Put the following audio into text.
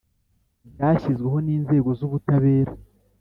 Byashyizweho n inzego z ubutabera